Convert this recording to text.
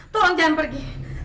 tolong jangan pergi